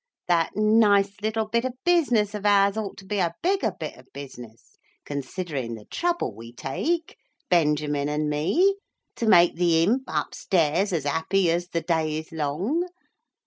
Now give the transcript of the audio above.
That nice little bit of business of ours ought to be a bigger bit of business, considering the trouble we take, Benjamin and me, to make the imp upstairs as happy as the day is long.